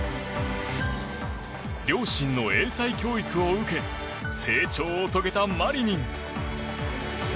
両親の英才教育を受け成長を遂げたマリニン。